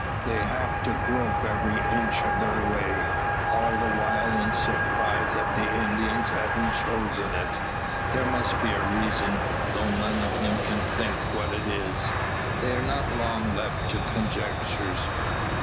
They have to grope every inch of their way; all the while in surprise at the Indians having chosen it. There must be a reason, though none of them can think what it is. They are not long left to conjectures.